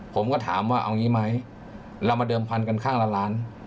ผมก็ถามว่าเอางี้ไหมเรามาเดิมพันกันข้างละล้าน